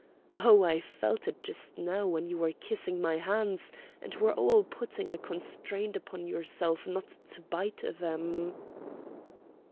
Oh! I felt it just now when you were kissing my hands and were all putting a constraint upon yourselves not to bite them!"